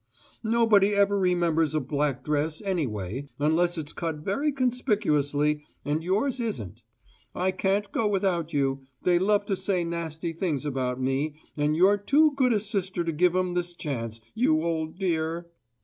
Nobody ever remembers a black dress, anyway, unless it's cut very conspicuously, and yours isn't. I can't go without you; they love to say nasty things about me, and you're too good a sister to give 'em this chance, you old dear."